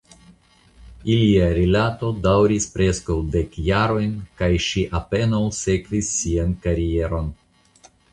Ilia rilato daŭris preskaŭ dek jarojn kaj ŝi apenaŭ sekvis sian karieron.